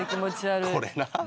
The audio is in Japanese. これな。